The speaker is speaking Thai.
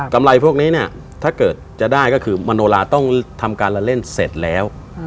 ไรพวกนี้เนี่ยถ้าเกิดจะได้ก็คือมโนลาต้องทำการละเล่นเสร็จแล้ว